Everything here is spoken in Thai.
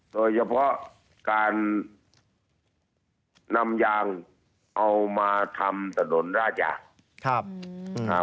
โดยเฉพาะการนำยางเอามาทำถนนราชะครับ